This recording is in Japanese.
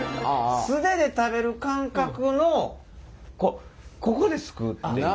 素手で食べる感覚のこうここですくうっていう。